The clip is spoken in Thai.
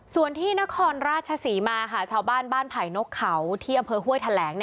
ส่วนที่นครราชศรีมาค่ะชาวบ้านบ้านไผ่นกเขาที่อำเภอห้วยแถลง